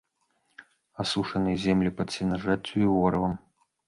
Асушаныя землі пад сенажаццю і ворывам.